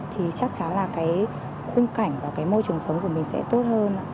thì chắc chắn là cái khung cảnh và cái môi trường sống của mình sẽ tốt hơn